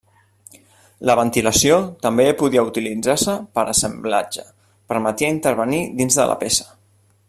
La ventilació també podia utilitzar-se per a assemblatge: permetia intervenir dins de la peça.